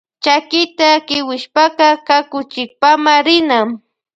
Chakita kiwishpaka kakuchikpama rina.